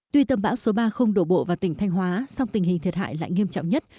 tuy tầm bão số ba không đổ bộ vào tỉnh thanh hóa song tình hình thiệt hại lại nghiêm trọng nhất